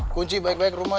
kunci baik baik rumah